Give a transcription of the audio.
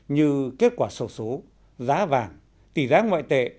như kết quả sổ số giá vàng tỷ giá ngoại tệ